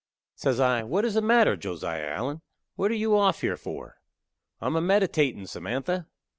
Says I, "What is the matter, Josiah Allen? What are you off here for?" "I am a meditatin', Samantha."